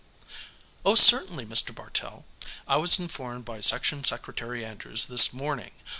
"Oh, certainly, Mr. Bartle. I was informed by Section Secretary Andrews this morning.